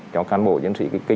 cho cán bộ chiến sĩ